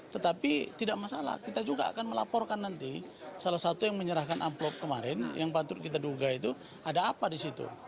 tetapi tidak masalah kita juga akan melaporkan nanti salah satu yang menyerahkan amplop kemarin yang patut kita duga itu ada apa di situ